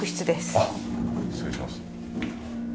あっ失礼します。